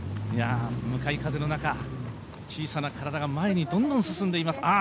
向かい風の中、小さな体が前にどんどん進んでいます